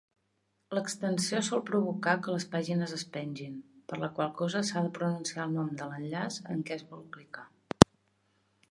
L'extensió sol provocar que les pàgines es pengin, per la qual cosa s'ha de pronunciar el nom de l'enllaç en què es vol clicar.